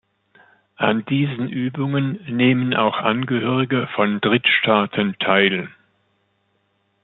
An diesen Übungen nehmen auch Angehörige von Drittstaaten teil.